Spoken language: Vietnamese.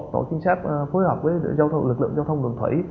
tổ trinh sát phối hợp với lực lượng giao thông đường thủy